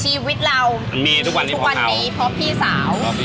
ชีวิตเรามีทุกวันนี้เพราะพี่สาว